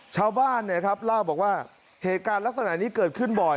ชาวบ้านเล่าบอกว่าเหตุการณ์ลักษณะนี้เกิดขึ้นบ่อย